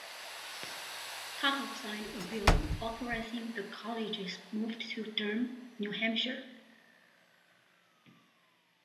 Tuttle signed a bill authorizing the college's move to Durham, New Hampshire.